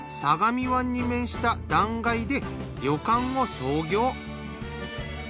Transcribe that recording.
相模湾に面した断崖で旅館を創業。